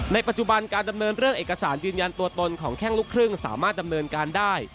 ปัจจุบันการดำเนินเรื่องเอกสารยืนยันตัวตนของแข้งลูกครึ่งสามารถดำเนินการได้